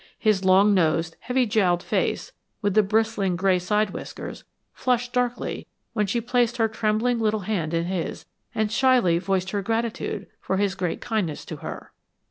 His long nosed, heavy jowled face, with the bristling gray side whiskers, flushed darkly when she placed her trembling little hand in his and shyly voiced her gratitude for his great kindness to her.